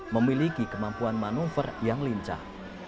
memiliki kemampuan manuver yang lincah